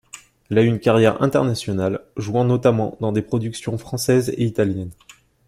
Elle a eu une carrière internationale, jouant notamment dans des productions françaises et italiennes.